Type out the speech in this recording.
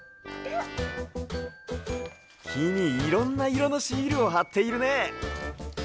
きにいろんないろのシールをはっているね。